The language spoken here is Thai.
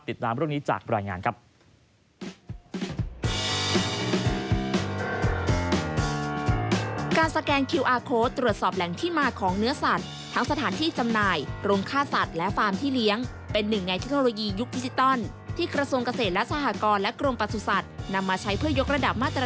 ตามร่วมนี้จากบริหารงานครับ